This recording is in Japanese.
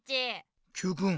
Ｑくん